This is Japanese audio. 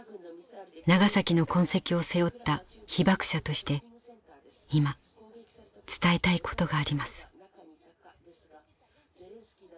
「ナガサキ」の痕跡を背負った被爆者として今伝えたいことがあります。